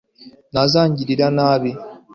ntazatugirira nabi